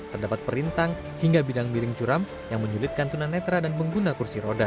terdapat perintang hingga bidang miring curam yang menyulitkan tunan netra dan pengguna kursi roda